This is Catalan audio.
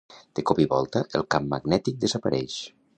De cop i volta, el camp magnètic desapareix.